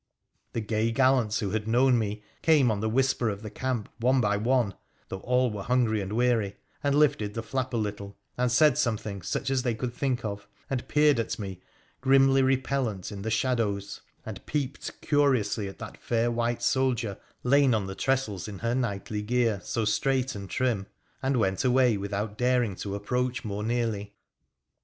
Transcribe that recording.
The gay gallants who had known me came on the whisper of the camp one by one (though all were hungry and weary), and lifted the flap a little, and said something such as they could think of, and peered at me, grimly repellent, in the shadows, and peeped curiously at that fair white soldier lain on the trestles in her knightly gear so straight and trim, and went away without daring to approach more nearly.